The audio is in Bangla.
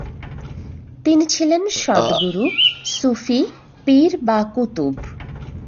তিনি ছিলেন সদ্গুরু, সুফি পির বা কুতুব।